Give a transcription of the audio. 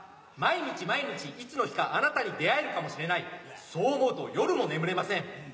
毎日毎日いつの日かあなたに出会えるかもしれないそう思うと夜も眠れません。